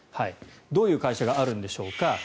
どういう会社があるんでしょうか。